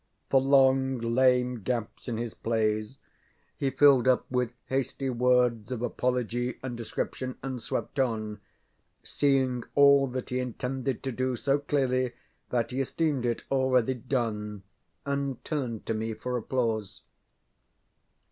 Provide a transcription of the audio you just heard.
The long lame gaps in his plays he filled up with hasty words of apology and description and swept on, seeing all that he intended to do so clearly that he esteemed it already done, and turned to me for applause.